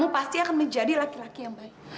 pasti akan menjadi laki laki yang baik